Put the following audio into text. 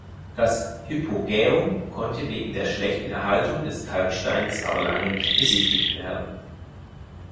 Das Hypogäum konnte wegen der schlechten Erhaltung des Kalksteins aber lange nicht besichtigt werden.